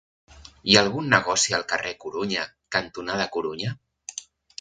Hi ha algun negoci al carrer Corunya cantonada Corunya?